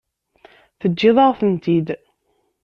Teǧǧiḍ-aɣ-tent-id.